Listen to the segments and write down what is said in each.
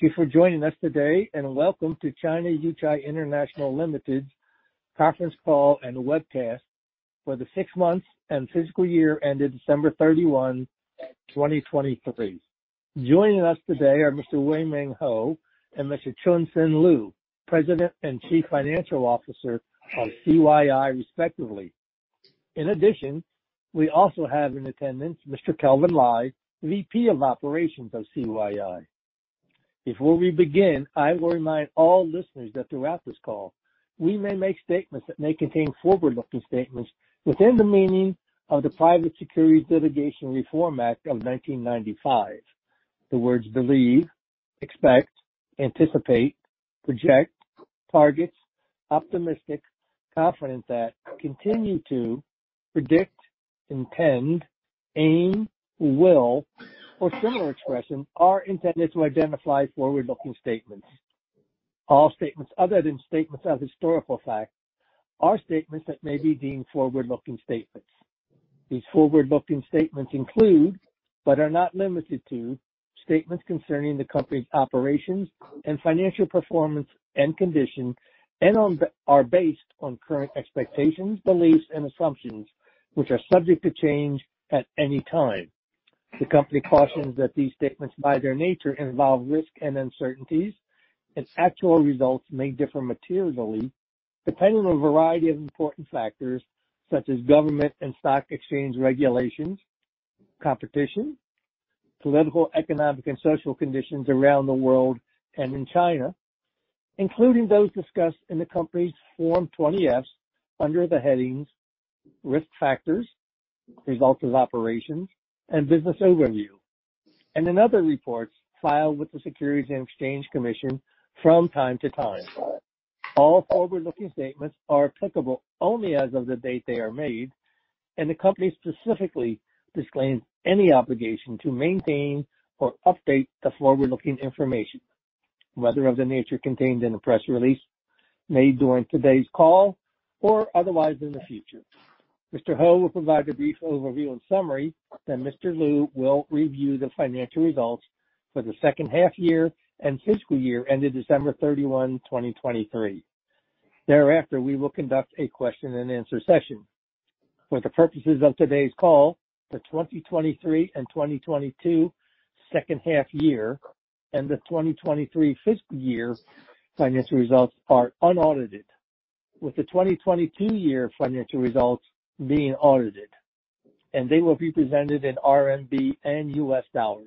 Thank you for joining us today, and welcome to China Yuchai International Limited's conference call and webcast for the six months and fiscal year ending December 31, 2023. Joining us today are Mr. Weng Ming Hoh and Mr. Choon Sen Loo, President and Chief Financial Officer of CYI, respectively. In addition, we also have in attendance Mr. Kelvin Lai, VP of Operations of CYI. Before we begin, I will remind all listeners that throughout this call, we may make statements that may contain forward-looking statements within the meaning of the Private Securities Litigation Reform Act of 1995. The words believe, expect, anticipate, project, targets, optimistic, confident that, continue to, predict, intend, aim, will, or similar expression are intended to identify forward-looking statements. All statements other than statements of historical fact are statements that may be deemed forward-looking statements. These forward-looking statements include, but are not limited to, statements concerning the company's operations and financial performance and condition, and are based on current expectations, beliefs, and assumptions, which are subject to change at any time. The company cautions that these statements, by their nature, involve risk and uncertainties, and actual results may differ materially depending on a variety of important factors such as government and stock exchange regulations, competition, political, economic, and social conditions around the world and in China, including those discussed in the company's Form 20-Fs under the headings Risk Factors, Results of Operations, and Business Overview, and in other reports filed with the Securities and Exchange Commission from time to time. All forward-looking statements are applicable only as of the date they are made, and the company specifically disclaims any obligation to maintain or update the forward-looking information, whether of the nature contained in a press release made during today's call or otherwise in the future. Mr. Hoh will provide a brief overview and summary, then Mr. Loo will review the financial results for the second half year and fiscal year ending December 31, 2023. Thereafter, we will conduct a question-and-answer session. For the purposes of today's call, the 2023 and 2022 second half year and the 2023 fiscal year financial results are unaudited, with the 2022 year financial results being audited, and they will be presented in RMB and U.S. dollars.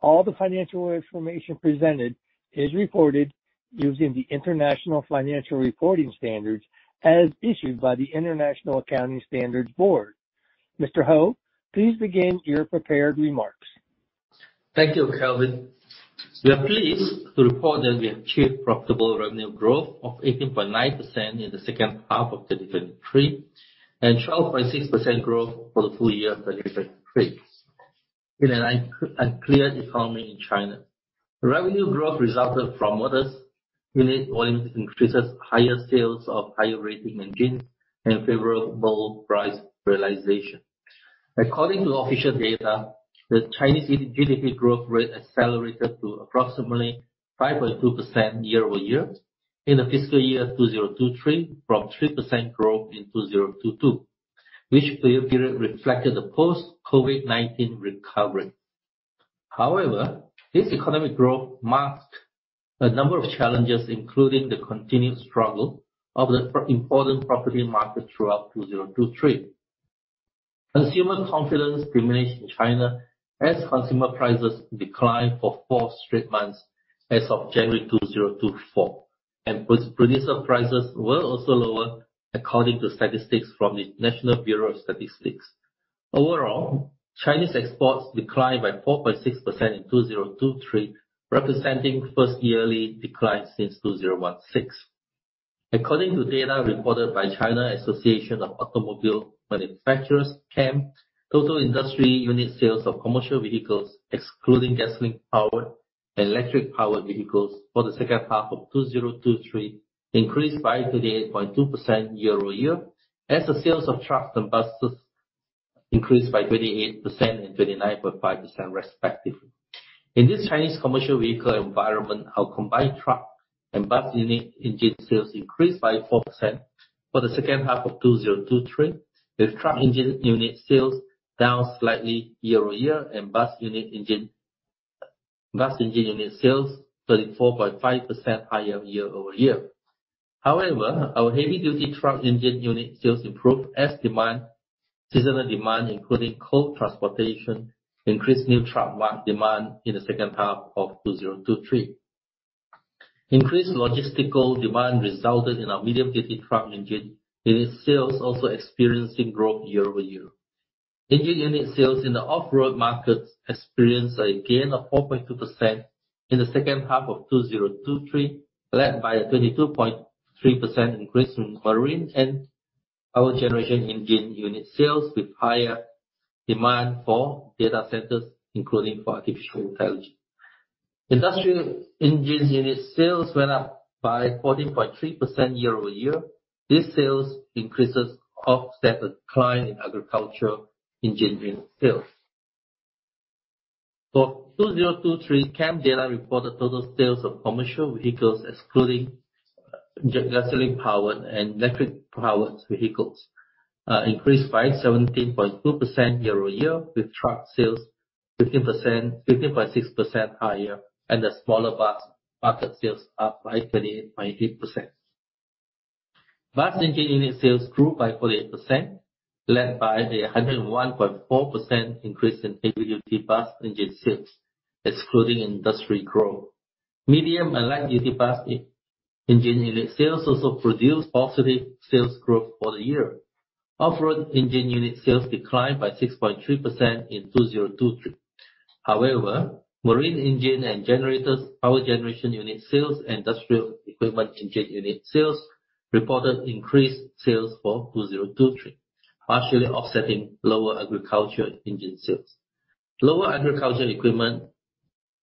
All the financial information presented is reported using the International Financial Reporting Standards as issued by the International Accounting Standards Board. Mr. Hoh, please begin your prepared remarks. Thank you, Kelvin. We are pleased to report that we achieved profitable revenue growth of 18.9% in the second half of 2023 and 12.6% growth for the full year of 2023 in an unclear economy in China. Revenue growth resulted from modest unit volume increases, higher sales of higher rating engines, and favorable price realization. According to official data, the Chinese GDP growth rate accelerated to approximately 5.2% year-over-year in the fiscal year 2023 from 3% growth in 2022, which period reflected the post-COVID-19 recovery. However, this economic growth masked a number of challenges, including the continued struggle of the important property market throughout 2023. Consumer confidence diminished in China as consumer prices declined for four straight months as of January 2024, and producer prices were also lower according to statistics from the National Bureau of Statistics. Overall, Chinese exports declined by 4.6% in 2023, representing first yearly decline since 2016. According to data reported by China Association of Automobile Manufacturers, CAAM, total industry unit sales of commercial vehicles, excluding gasoline-powered and electric-powered vehicles for the second half of 2023, increased by 28.2% year-over-year, as the sales of trucks and buses increased by 28% and 29.5%, respectively. In this Chinese commercial vehicle environment, our combined truck and bus unit engine sales increased by 4% for the second half of 2023, with truck engine unit sales down slightly year-over-year and bus engine unit sales 34.5% higher year-over-year. However, our heavy-duty truck engine unit sales improved as seasonal demand, including coal transportation, increased new truck demand in the second half of 2023. Increased logistical demand resulted in our medium-duty truck engine unit sales also experiencing growth year-over-year. Engine unit sales in the off-road market experienced a gain of 4.2% in the second half of 2023, led by a 22.3% increase in marine and power generation engine unit sales with higher demand for data centers, including for artificial intelligence. Industrial engine unit sales went up by 14.3% year-over-year. This sales increase offset a decline in agriculture engine unit sales. For 2023, CAAM data reported total sales of commercial vehicles, excluding gasoline-powered and electric-powered vehicles, increased by 17.2% year-over-year, with truck sales 15.6% higher and the smaller bus market sales up by 28.8%. Bus engine unit sales grew by 48%, led by a 101.4% increase in heavy-duty bus engine sales, excluding industry growth. Medium and light-duty bus engine unit sales also produced positive sales growth for the year. Off-road engine unit sales declined by 6.3% in 2023. However, marine engine and power generation unit sales and industrial equipment engine unit sales reported increased sales for 2023, partially offsetting lower agriculture engine sales. Lower agriculture equipment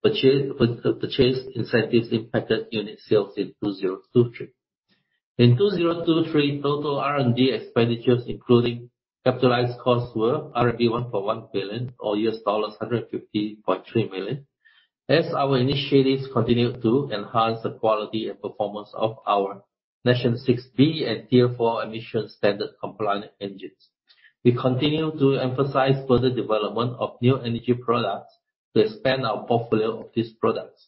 purchase incentives impacted unit sales in 2023. In 2023, total R&D expenditures, including capitalized costs, were RMB 1.1 billion or $150.3 million, as our initiatives continued to enhance the quality and performance of our National VI B and Tier four emission standard compliant engines. We continue to emphasize further development of new energy products to expand our portfolio of these products.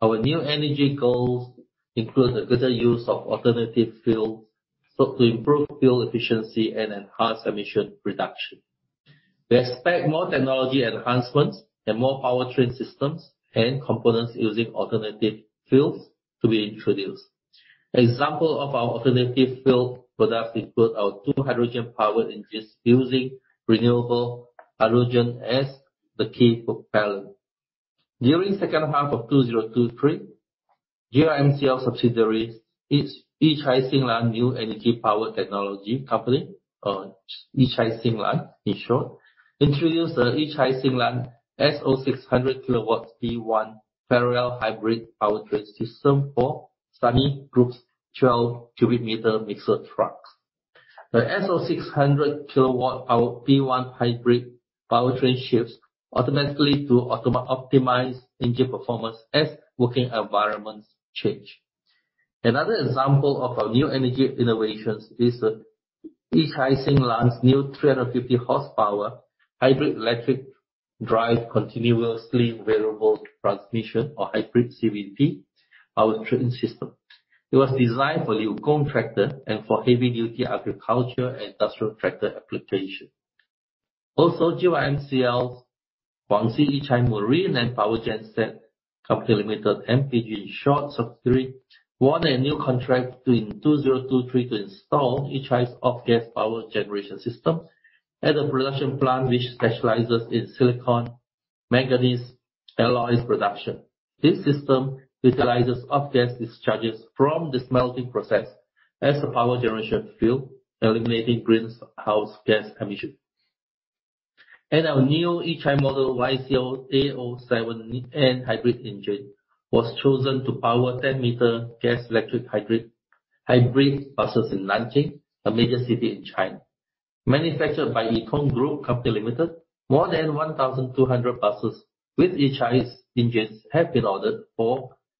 Our new energy goals include a better use of alternative fuels to improve fuel efficiency and enhance emission reduction. We expect more technology enhancements and more powertrain systems and components using alternative fuels to be introduced. Examples of our alternative fuel products include our two hydrogen-powered engines using renewable hydrogen as the key propellant. During the second half of 2023, GYMCL subsidiaries, Yuchai Xin-Lan New Energy Power Technology Co., Ltd., or Yuchai Xin-Lan in short, introduced the Yuchai Xin-Lan S06-100kW P1 parallel hybrid powertrains to SANY Group's 12-cubic-meter mixer trucks. The S06-100kW P1 hybrid powertrain shifts automatically to optimize engine performance as working environments change. Another example of our new energy innovations is the Yuchai Xin-Lan's new 350-horsepower hybrid electric drive continuously variable transmission, or hybrid CVT, powertrain system. It was designed for LiuGong tractor and for heavy-duty agriculture and industrial tractor applications. Also, GYMCL's Guangxi Yuchai Marine and Power GenSet Company Limited, MPG in short, subsidiary won a new contract in 2023 to install Yuchai's off-gas power generation system at a production plant which specializes in silicon, manganese, alloys production. This system utilizes off-gas discharges from this melting process as a power generation fuel, eliminating greenhouse gas emissions. Our new Yuchai model YC6A07N hybrid engine was chosen to power 10-meter gas-electric hybrid buses in Nanjing, a major city in China. Manufactured by Yicong Group Company Limited, more than 1,200 buses with Yuchai's engines have been ordered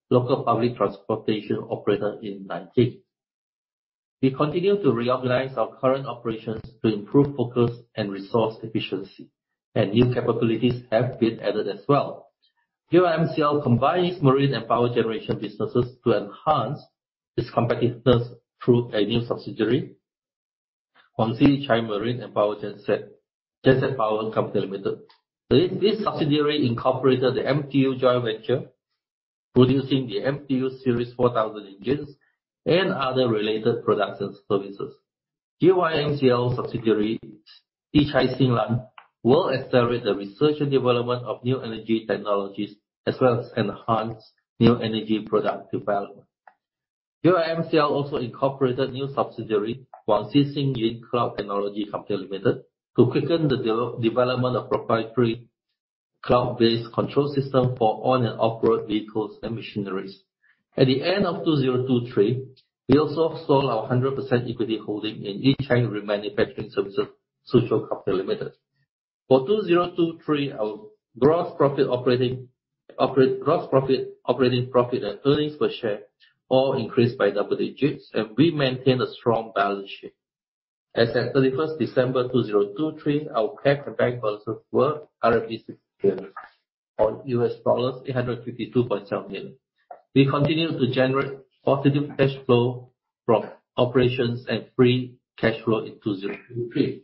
for local public transportation operator in Nanjing. We continue to reorganize our current operations to improve focus and resource efficiency, and new capabilities have been added as well. GYMCL combines marine and power generation businesses to enhance its competitiveness through a new subsidiary, Guangxi Yuchai Marine and Power GenSet Company Limited. This subsidiary incorporated the MTU joint venture, producing the MTU Series 4000 engines and other related products and services. GYMCL subsidiary Yuchai Xin-Lan will accelerate the research and development of new energy technologies as well as enhance new energy product development. GYMCL also incorporated new subsidiary, Guangxi Xingyun Cloud Technology Company Limited, to quicken the development of proprietary cloud-based control systems for on- and off-road vehicles and machineries. At the end of 2023, we also sold our 100% equity holding in Yuchai Remanufacturing Services Solutions Company Limited. For 2023, our gross operating profit and earnings per share all increased by double digits, and we maintain a strong balance sheet. As of 31st December 2023, our Cash and Bank balances were RMB or $852.7 million. We continue to generate positive cash flow from operations and free cash flow in 2023.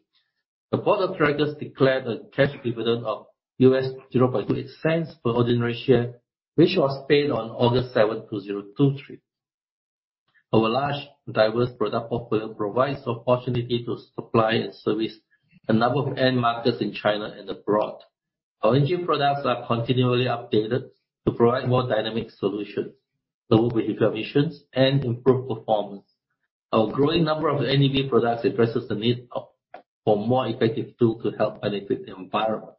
The board of directors declared a cash dividend of $0.28 per ordinary share, which was paid on August 7, 2023. Our large, diverse product portfolio provides opportunity to supply and service a number of end markets in China and abroad. Our engine products are continually updated to provide more dynamic solutions, lower vehicle emissions, and improved performance. Our growing number of NEV products addresses the need for more effective tools to help benefit the environment.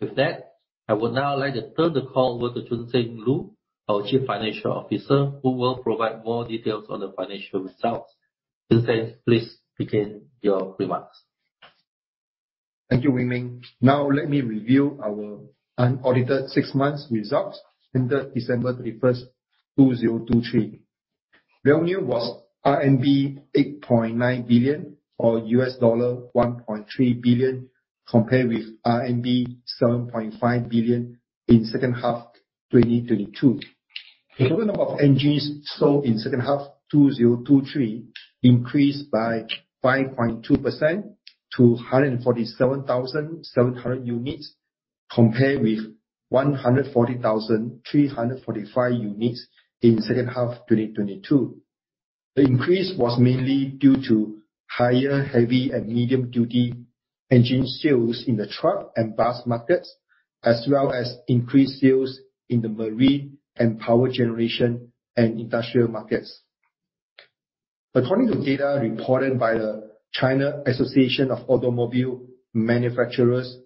With that, I would now like to turn the call over to Choon Sen Loo, our Chief Financial Officer, who will provide more details on the financial results. Choon Sen, please begin your remarks. Thank you, Weng Ming. Now, let me review our unaudited six months results ended December 31st, 2023. Revenue was RMB 8.9 billion or $1.3 billion compared with RMB 7.5 billion in second half 2022. The total number of engines sold in second half 2023 increased by 5.2% to 147,700 units compared with 140,345 units in second half 2022. The increase was mainly due to higher heavy and medium-duty engine sales in the truck and bus markets, as well as increased sales in the marine and power generation and industrial markets. According to data reported by the China Association of Automobile Manufacturers,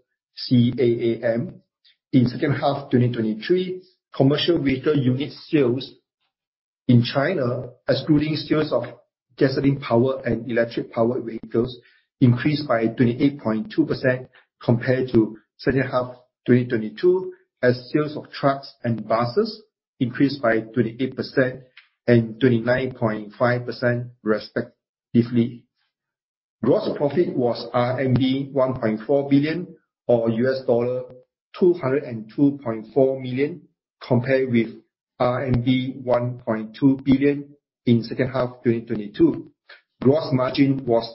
CAAM, in second half 2023, commercial vehicle unit sales in China, excluding sales of gasoline-powered and electric-powered vehicles, increased by 28.2% compared to second half 2022, as sales of trucks and buses increased by 28% and 29.5% respectively. Gross profit was RMB 1.4 billion or $202.4 million compared with RMB 1.2 billion in second half 2022. Gross margin was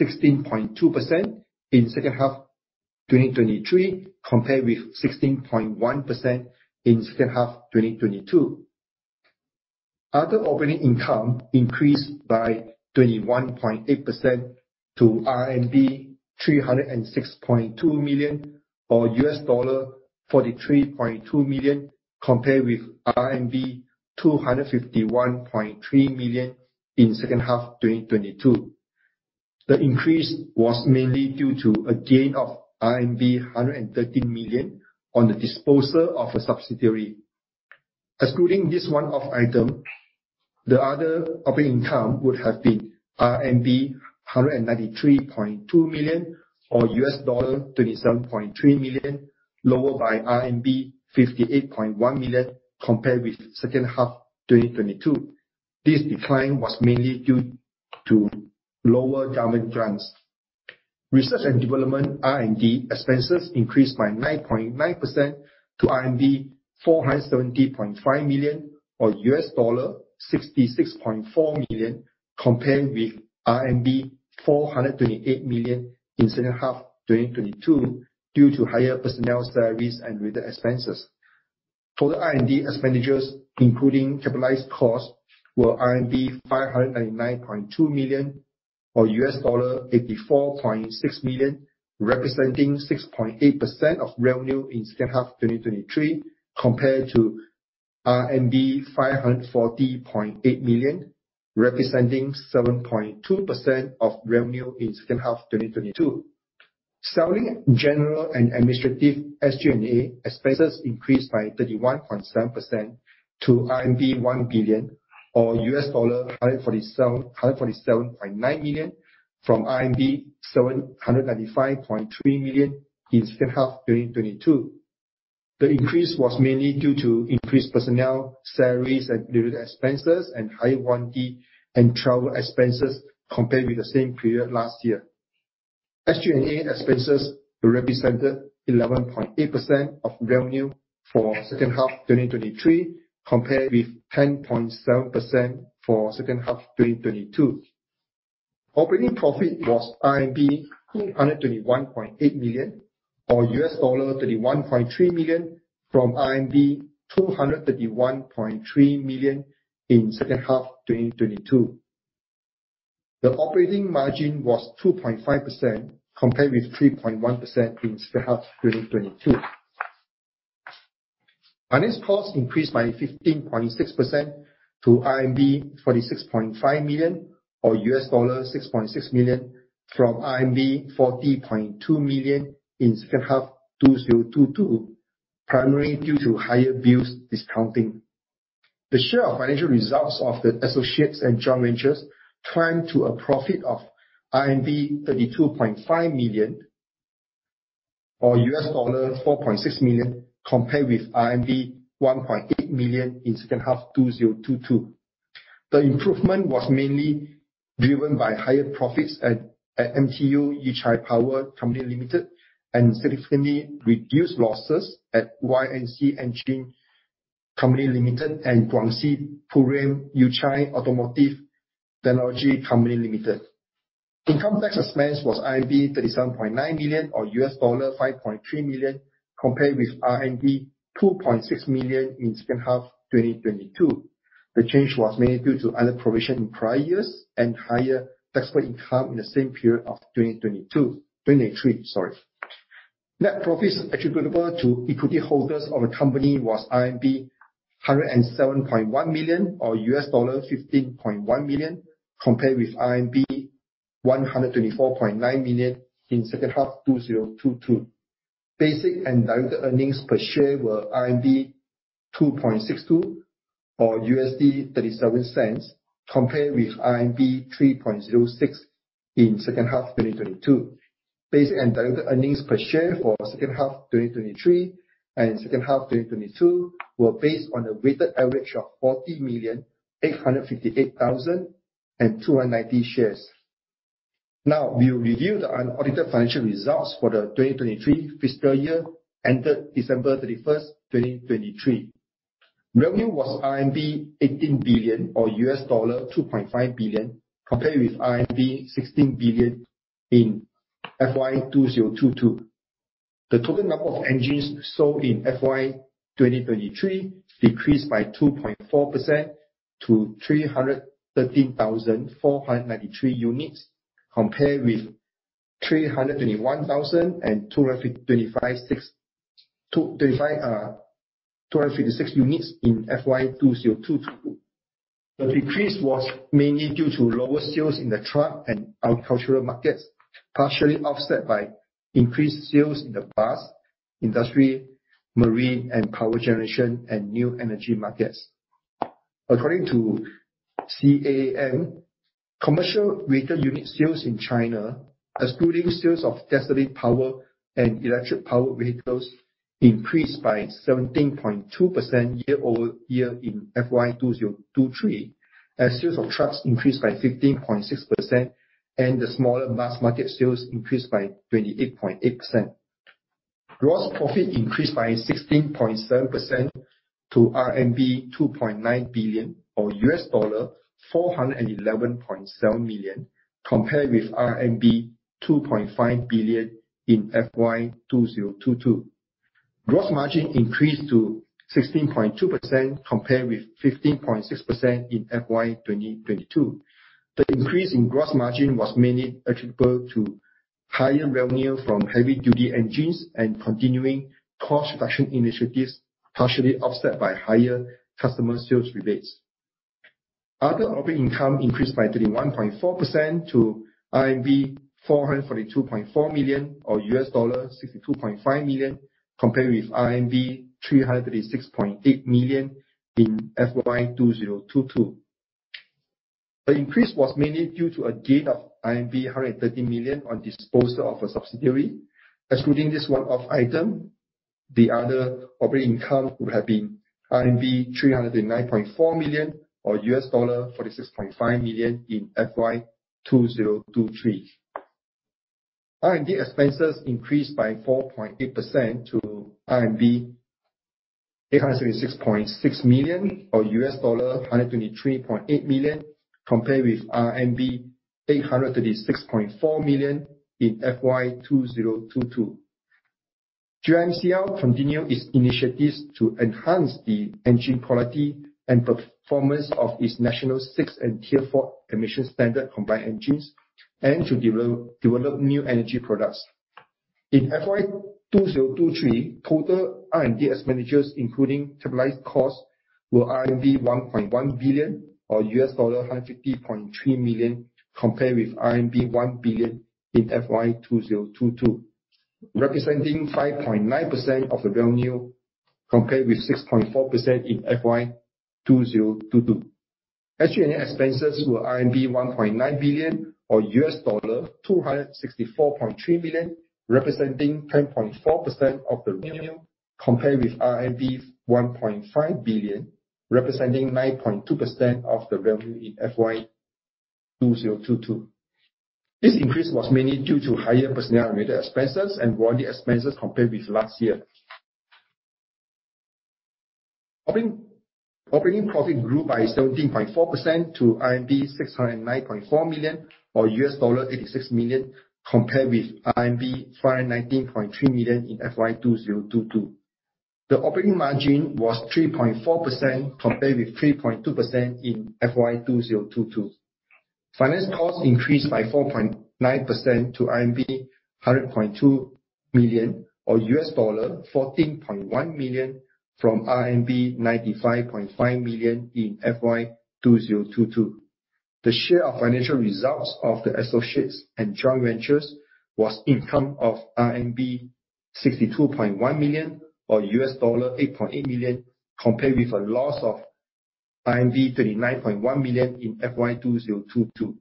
16.2% in second half 2023 compared with 16.1% in second half 2022. Other operating income increased by 21.8% to RMB 306.2 million or $43.2 million compared with RMB 251.3 million in second half 2022. The increase was mainly due to a gain of RMB 113 million on the disposal of a subsidiary. Excluding this one-off item, the other operating income would have been RMB 193.2 million or $27.3 million, lower by RMB 58.1 million compared with second half 2022. This decline was mainly due to lower government grants. Research and development R&D expenses increased by 9.9% to RMB 470.5 million or $66.4 million compared with RMB 428 million in second half 2022 due to higher personnel salaries and related expenses. Total R&D expenditures, including capitalized costs, were RMB 599.2 million or $84.6 million, representing 6.8% of revenue in second half 2023 compared to RMB 540.8 million, representing 7.2% of revenue in second half 2022. Selling, general and administrative SG&A expenses increased by 31.7% to RMB 1 billion or $147.9 million from RMB 795.3 million in second half 2022. The increase was mainly due to increased personnel salaries and related expenses, and higher warranty and travel expenses compared with the same period last year. SG&A expenses represented 11.8% of revenue for second half 2023 compared with 10.7% for second half 2022. Operating profit was 221.8 million or $31.3 million from 231.3 million in second half 2022. The operating margin was 2.5% compared with 3.1% in second half 2022. Finance costs increased by 15.6% to RMB 46.5 million or $6.6 million from RMB 40.2 million in second half 2022, primarily due to higher bills discounting. The share of financial results of the associates and joint ventures climbed to a profit of RMB 32.5 million or $4.6 million compared with RMB 1.8 million in second half 2022. The improvement was mainly driven by higher profits at MTU Yuchai Power Company Limited and significantly reduced losses at Y&C Engine Company Limited and Guangxi Purem Yuchai Automotive Technology Company Limited. Income tax expense was 37.9 million or $5.3 million compared with RMB 2.6 million in second half 2022. The change was mainly due to other provisions in prior years and higher taxable income in the same period of 2023. Net profits attributable to equity holders of the company was RMB 107.1 million or $15.1 million compared with RMB 124.9 million in second half 2022. Basic and diluted earnings per share were RMB 2.62 or $0.37 compared with RMB 3.06 in second half 2022. Basic and diluted earnings per share for second half 2023 and second half 2022 were based on a weighted average of 40,858,290 shares. Now, we will review the unaudited financial results for the 2023 fiscal year ended December 31, 2023. Revenue was RMB 18 billion or $2.5 billion compared with RMB 16 billion in FY 2022. The total number of engines sold in FY 2023 decreased by 2.4% to 313,493 units compared with 321,256 units in FY 2022. The decrease was mainly due to lower sales in the truck and agricultural markets, partially offset by increased sales in the bus, industry, marine and power generation and new energy markets. According to CAAM, commercial vehicle unit sales in China, excluding sales of gasoline-powered and electric-powered vehicles, increased by 17.2% year-over-year in FY 2023, as sales of trucks increased by 15.6% and the smaller mass market sales increased by 28.8%. Gross profit increased by 16.7% to RMB 2.9 billion or $411.7 million compared with RMB 2.5 billion in FY 2022. Gross margin increased to 16.2% compared with 15.6% in FY 2022. The increase in gross margin was mainly attributable to higher revenue from heavy-duty engines and continuing cost reduction initiatives, partially offset by higher customer sales rebates. Other operating income increased by 31.4% to RMB 442.4 million or $62.5 million compared with RMB 336.8 million in FY 2022. The increase was mainly due to a gain of 130 million on disposal of a subsidiary. Excluding this one-off item, the other operating income would have been RMB 309.4 million or $46.5 million in FY 2023. R&D expenses increased by 4.8% to RMB 876.6 million or $123.8 million compared with RMB 836.4 million in FY 2022. GYMCL continued its initiatives to enhance the engine quality and performance of its National VI B and Tier four emission standard combined engines and to develop new energy products. In FY 2023, total R&D expenditures, including capitalized costs, were RMB 1.1 billion or $150.3 million compared with RMB 1 billion in FY 2022, representing 5.9% of the revenue compared with 6.4% in FY 2022. SG&A expenses were RMB 1.9 billion or $264.3 million, representing 10.4% of the revenue compared with RMB 1.5 billion, representing 9.2% of the revenue in FY 2022. This increase was mainly due to higher personnel-related expenses and warranty expenses compared with last year. Operating profit grew by 17.4% to RMB 609.4 million or $86 million compared with RMB 519.3 million in FY 2022. The operating margin was 3.4% compared with 3.2% in FY 2022. Finance costs increased by 4.9% to RMB 100.2 million or $14.1 million from RMB 95.5 million in FY 2022. The share of financial results of the associates and joint ventures was income of RMB 62.1 million or $8.8 million compared with a loss of RMB 39.1 million in FY 2022.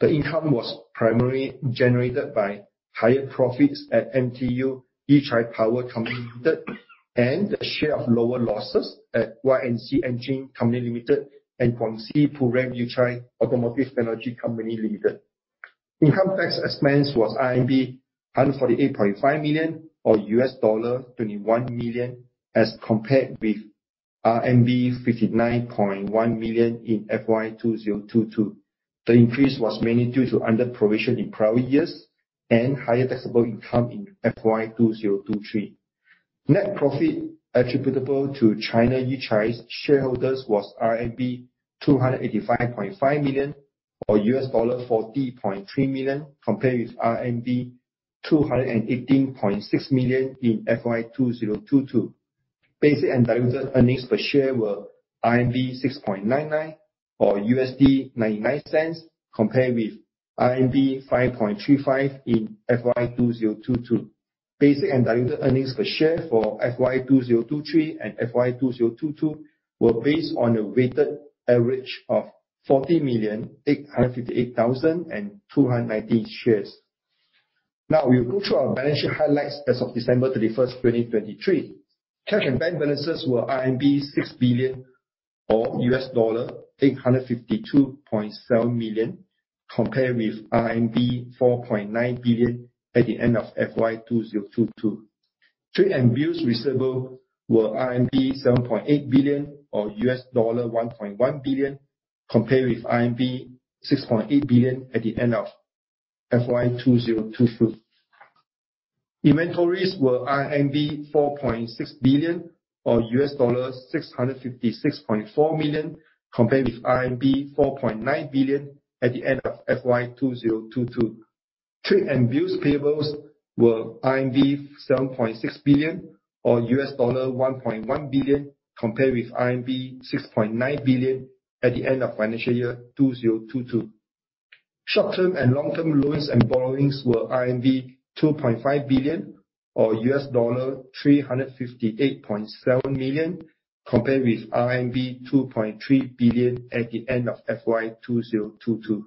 The income was primarily generated by higher profits at MTU Yuchai Power Company Limited and the share of lower losses at Y&C Engine Company Limited and Guangxi Purem Yuchai Automotive Technology Company Limited. Income tax expense was RMB 148.5 million or $21 million as compared with RMB 59.1 million in FY 2022. The increase was mainly due to underprovision in prior years and higher taxable income in FY 2023. Net profit attributable to China Yuchai's shareholders was RMB 285.5 million or $40.3 million compared with RMB 218.6 million in FY 2022. Basic and diluted earnings per share were RMB 6.99 or $0.99 compared with RMB 5.35 in FY 2022. Basic and diluted earnings per share for FY 2023 and FY 2022 were based on a weighted average of 40,858,290 shares. Now, we will go through our balance sheet highlights as of December 31st, 2023. Cash and bank balances were RMB 6 billion or $852.7 million compared with RMB 4.9 billion at the end of FY 2022. Trade and bills receivable were RMB 7.8 billion or $1.1 billion compared with 6.8 billion at the end of FY 2022. Inventories were 4.6 billion or $656.4 million compared with 4.9 billion at the end of FY 2022. Trade and bills payables were 7.6 billion or $1.1 billion compared with 6.9 billion at the end of financial year 2022. Short-term and long-term loans and borrowings were 2.5 billion or $358.7 million compared with RMB 2.3 billion at the end of FY 2022.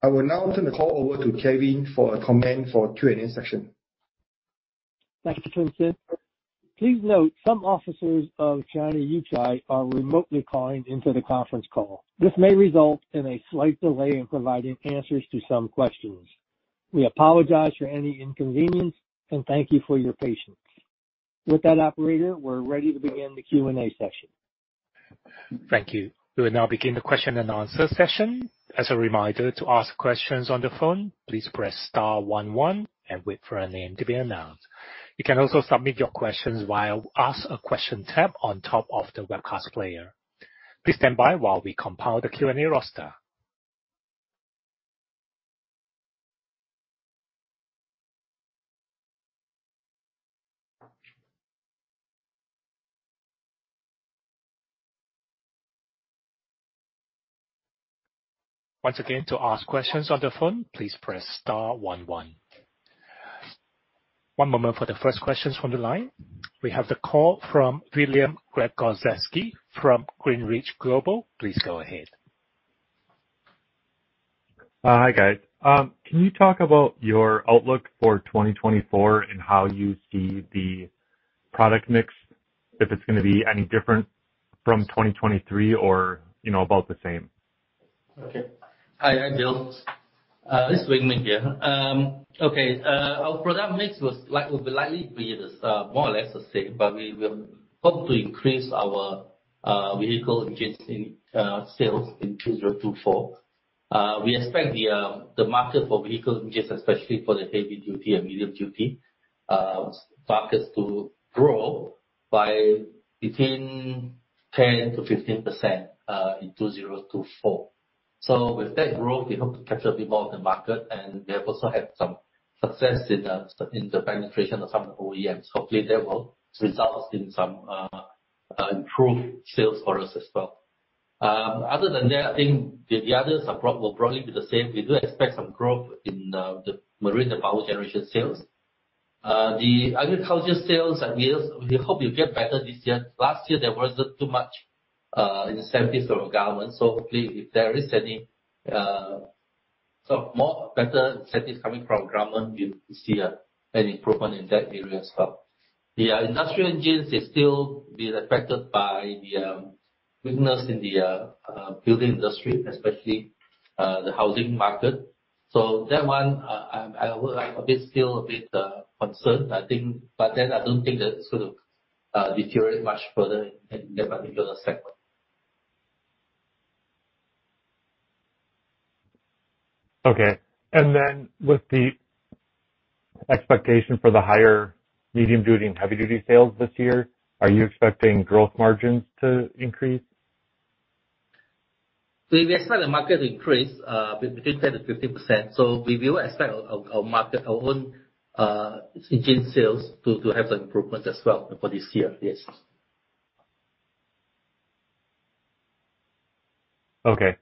I will now turn the call over to Kelvin for a comment for Q&A section. Thank you, Chief. Please note, some officers of China Yuchai are remotely calling into the conference call. This may result in a slight delay in providing answers to some questions. We apologize for any inconvenience and thank you for your patience. With that, operator, we're ready to begin the Q&A session. Thank you. We will now begin the question and answer session. As a reminder, to ask questions on the phone, please press star one one and wait for a name to be announced. You can also submit your questions via Ask a Question tab on top of the webcast player. Please stand by while we compile the Q&A roster. Once again, to ask questions on the phone, please press star one one. One moment for the first questions from the line. We have the call from William Gregozeski from GreenRidge Global. Please go ahead. Hi, guys. Can you talk about your outlook for 2024 and how you see the product mix, if it's going to be any different from 2023 or about the same? Okay. Hi, Bill. It's Weng Ming here. Okay. Our product mix will likely be more or less the same, but we hope to increase our vehicle engines sales in 2024. We expect the market for vehicle engines, especially for the heavy-duty and medium-duty markets, to grow by between 10%-15% in 2024. So with that growth, we hope to capture a bit more of the market. And we have also had some success in the penetration of some of the OEMs. Hopefully, that will result in some improved sales for us as well. Other than that, I think the others will probably be the same. We do expect some growth in the marine and power generation sales. The agriculture sales, we hope you get better this year. Last year, there wasn't too much incentives from government. So hopefully, if there is any better incentives coming from government, we'll see an improvement in that area as well. The industrial engines are still being affected by the weakness in the building industry, especially the housing market. So that one, I'm still a bit concerned, I think. But then I don't think that it's going to deteriorate much further in that particular segment. Okay. With the expectation for the higher medium-duty and heavy-duty sales this year, are you expecting growth margins to increase? We expect the market to increase between 10%-15%. So we will expect our own engine sales to have some improvements as well for this year. Yes. Okay.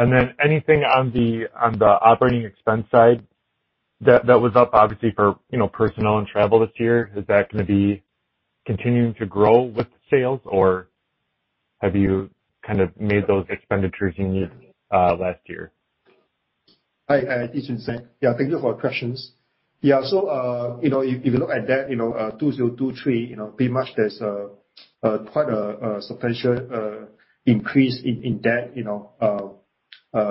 And then anything on the operating expense side that was up, obviously, for personnel and travel this year, is that going to be continuing to grow with sales, or have you kind of made those expenditures you need last year? Hi, I just want to say, yeah, thank you for your questions. Yeah. So if you look at that, 2023, pretty much there's quite a substantial increase in that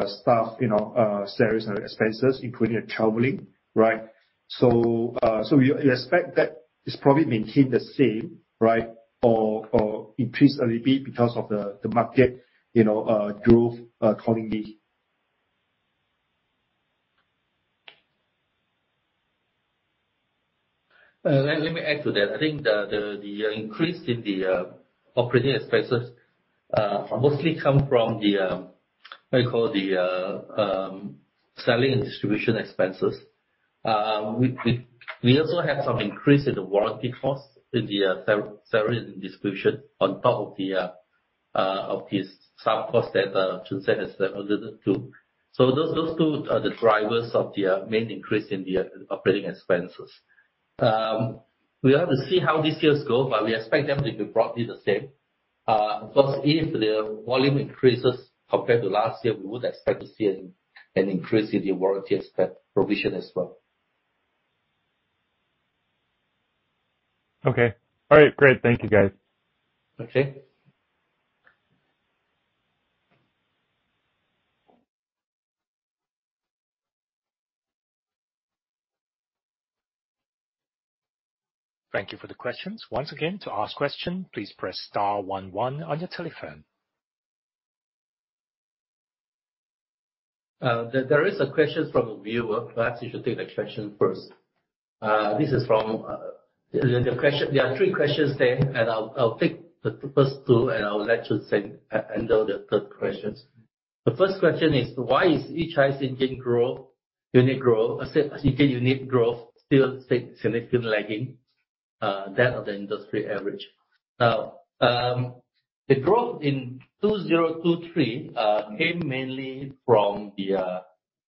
staff salaries and expenses, including traveling, right? So we expect that it's probably maintained the same, right, or increased a little bit because of the market growth accordingly. Let me add to that. I think the increase in the operating expenses mostly come from what you call the selling and distribution expenses. We also have some increase in the warranty costs, in the salary and distribution, on top of this sub-cost that Choon Sen has added to. So those two are the drivers of the main increase in the operating expenses. We'll have to see how these years go, but we expect them to be broadly the same. Of course, if the volume increases compared to last year, we would expect to see an increase in the warranty expense provision as well. Okay. All right. Great. Thank you, guys. Okay. Thank you for the questions. Once again, to ask questions, please press star one one on your telephone. There is a question from a viewer. Perhaps you should take the question first. This is from the question there are three questions there, and I'll take the first two, and I'll let Choon Sen handle the third questions. The first question is, why is Yuchai's engine growth, unit growth, still significantly lagging that of the industry average? Now, the growth in 2023 came mainly from the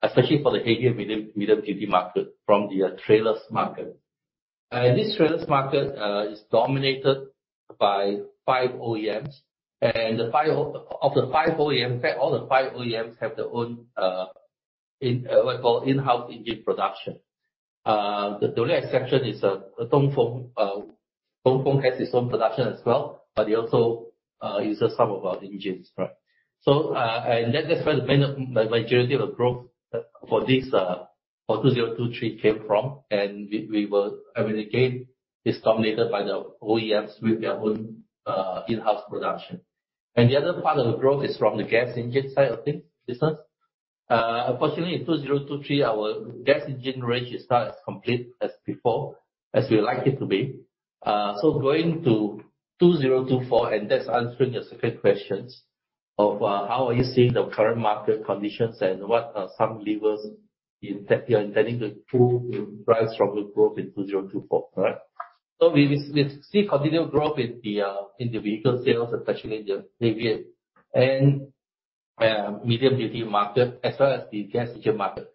especially for the heavy and medium-duty market, from the trailers market. This trailers market is dominated by five OEMs. And of the five OEMs, in fact, all the five OEMs have their own, what you call, in-house engine production. The only exception is Dongfeng. Dongfeng has its own production as well, but they also use some of our engines, right? And that's where the majority of the growth for 2023 came from. Again, it's dominated by the OEMs with their own in-house production. The other part of the growth is from the gas engine side of things, business. Unfortunately, in 2023, our gas engine range is not as complete as before, as we like it to be. So going to 2024, and that's answering your second questions of how are you seeing the current market conditions and what some levers you're intending to improve to drive stronger growth in 2024, right? We see continual growth in the vehicle sales, especially in the heavy and medium-duty market as well as the gas engine market.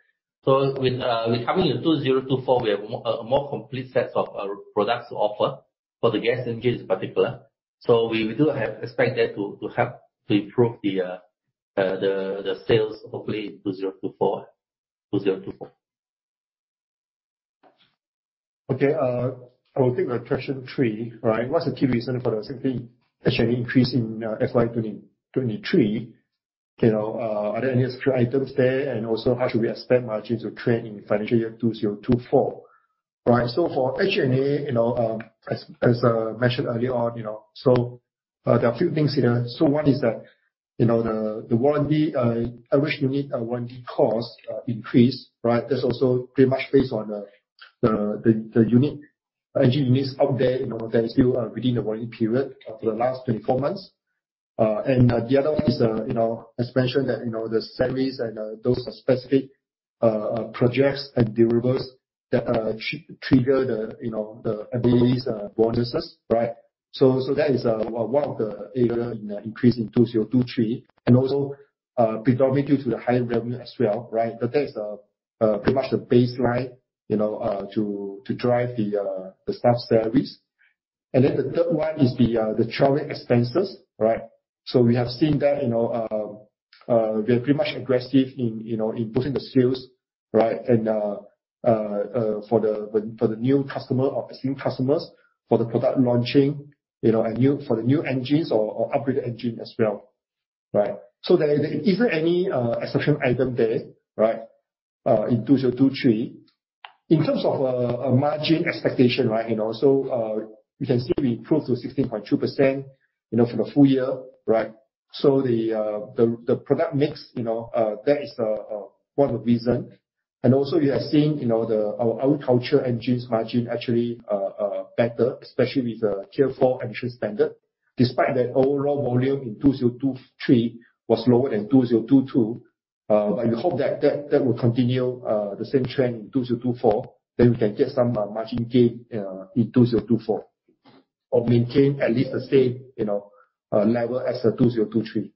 With coming into 2024, we have a more complete set of products to offer for the gas engine in particular. We do expect that to help to improve the sales, hopefully, in 2024. Okay. I will take question three, right? What's the key reason for the significant SG&A increase in FY 2023? Are there any specific items there? And also, how should we expect margins to trend in financial year 2024, right? For SG&A, as mentioned earlier on, there are a few things here. One is that the average unit warranty cost increase, right? That's also pretty much based on the engine units out there that are still within the warranty period for the last 24 months. And the other one is, as mentioned, that the salaries and those specific projects and deliverables that trigger the eligibility bonuses, right? So that is one of the areas of increase in 2023. And also, predominantly due to the high revenue as well, right? But that is pretty much the baseline to drive the staff salaries. Then the third one is the traveling expenses, right? So we have seen that we are pretty much aggressive in pushing the sales, right, for the new customer or excellent customers for the product launching for the new engines or upgraded engine as well, right? So there isn't any exception item there, right, in 2023. In terms of margin expectation, right, so you can see we improved to 16.2% for the full year, right? So the product mix, that is one of the reasons. And also, you have seen our agriculture engines margin actually better, especially with the Tier four emission standard, despite that overall volume in 2023 was lower than 2022. But we hope that that will continue the same trend in 2024. Then we can get some margin gain in 2024 or maintain at least the same level as 2023.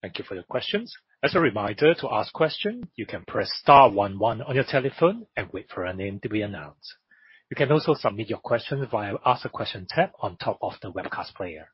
Thank you for your questions. As a reminder, to ask questions, you can press star one one on your telephone and wait for a name to be announced. You can also submit your questions via Ask a Question tab on top of the webcast player.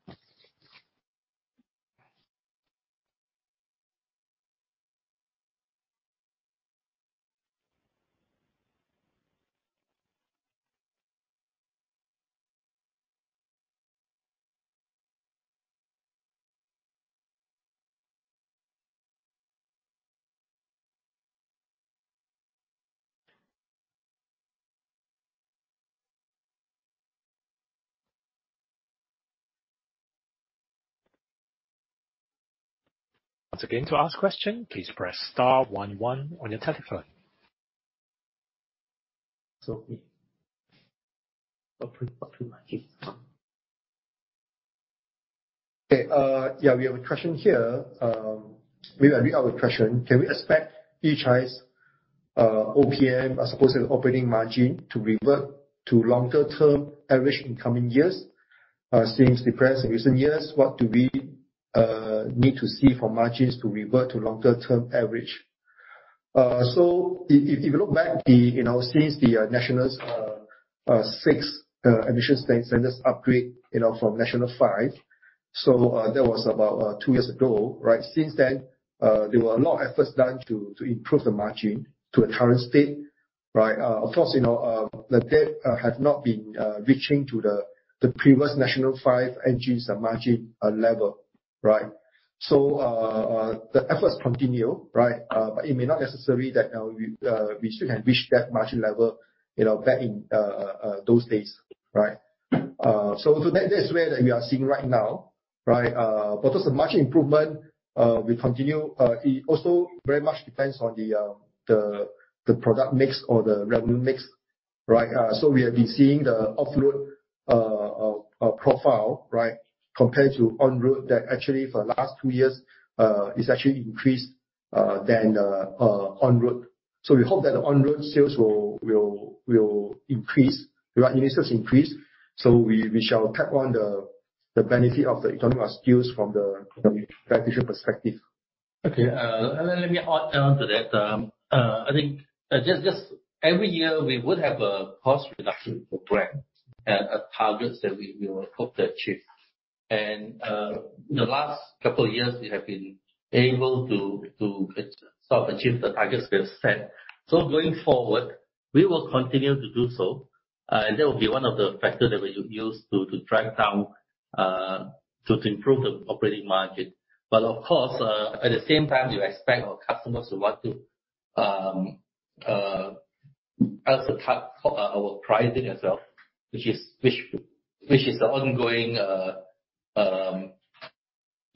Once again, to ask questions, please press star one one on your telephone. Okay. Yeah, we have a question here. Maybe I'll read out the question. Can we expect Yuchai's OPM, as opposed to the operating margin, to revert to longer-term average in coming years? Seeing depressed in recent years, what do we need to see for margins to revert to longer-term average? So if you look back, since the National VI emission standards upgrade from National V, so that was about two years ago, right? Since then, there were a lot of efforts done to improve the margin to the current state, right? Of course, the EBIT has not been reaching to the previous National V engines margin level, right? So the efforts continue, right? But it may not necessarily that we still can reach that margin level back in those days, right? So that's where we are seeing right now, right? But also margin improvement, we continue. It also very much depends on the product mix or the revenue mix, right? So we have been seeing the off-road profile, right, compared to on-road that actually for the last two years, it's actually increased than on-road. So we hope that the on-road sales will increase, right? Unit sales increase. So we shall tap on the benefit of the economies of scale from the production perspective. Okay. And then let me add on to that. I think just every year, we would have a cost reduction program and targets that we hope to achieve. And in the last couple of years, we have been able to sort of achieve the targets we have set. So going forward, we will continue to do so. And that will be one of the factors that we use to drive down to improve the operating margin. But of course, at the same time, we expect our customers to want to ask our pricing as well, which is an ongoing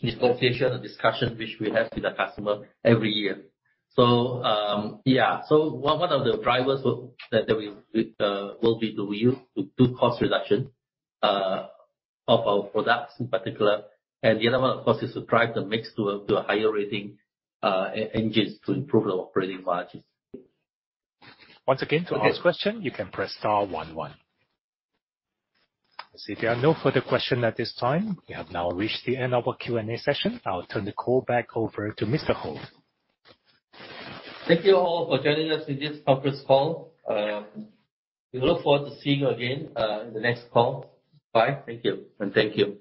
negotiation or discussion which we have with our customer every year. So yeah. So one of the drivers that we will be doing is to do cost reduction of our products in particular. The other one, of course, is to drive the mix to a higher rating engines to improve the operating margins. Once again, to ask questions, you can press star one one. I see there are no further questions at this time. We have now reached the end of our Q&A session. I'll turn the call back over to Mr. Hoh. Thank you all for joining us in this conference call. We look forward to seeing you again in the next call. Bye. Thank you. And thank you.